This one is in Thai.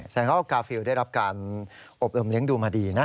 แสดงว่ากาฟิลได้รับการอบรมเลี้ยงดูมาดีนะ